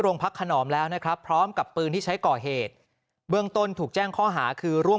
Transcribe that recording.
พักขนอมแล้วนะครับพร้อมกับปืนที่ใช้ก่อเหตุเบื้องต้นถูกแจ้งข้อหาคือร่วม